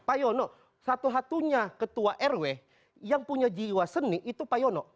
pak yono satu satunya ketua rw yang punya jiwa seni itu pak yono